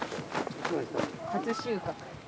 初収穫。